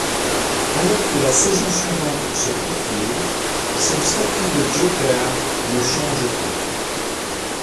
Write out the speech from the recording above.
Alors que la saison suivante se profile, son statut de joker ne change pas.